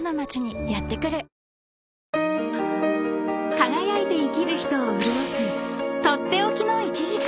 ［輝いて生きる人を潤す取って置きの１時間］